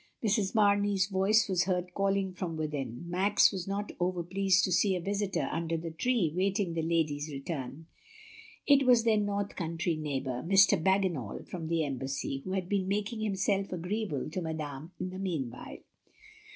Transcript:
Mrs. Mamey's voice was heard calling from within. Max was not over pleased to see a visitor under the tree waiting the ladies' return. It was their north country neighbour, Mr. Bagginal from the Embassy, who had been making himself agreeable to Madame in the meanwhile.